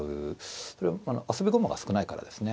それはまあ遊び駒が少ないからですね。